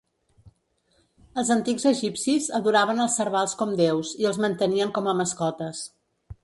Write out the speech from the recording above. Els antics egipcis adoraven els servals com deus, i els mantenien com a mascotes.